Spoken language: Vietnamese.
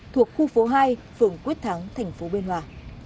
thuộc khu phố hai phường quyết thắng tp biên hòa